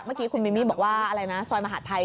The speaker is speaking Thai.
เมื่อกี้คุณมิมี่บอกว่าซอยมหาธัยใช่ไหม